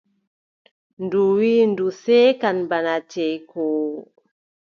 Ndu wiʼi ndu seekan bana ceekoowo.